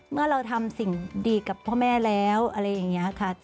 เมื่อเราทำสิ่งดีกับพ่อแม่แล้วอะไรอย่างนี้ค่ะ